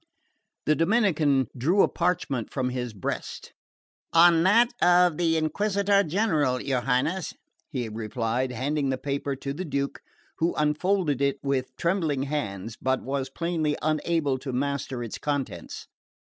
The Dominican drew a parchment from his breast. "On that of the Inquisitor General, your Highness," he replied, handing the paper to the Duke, who unfolded it with trembling hands but was plainly unable to master its contents.